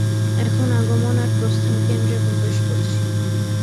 এখন আগমন আর প্রস্থান কেন্দ্রে প্রবেশ করছি।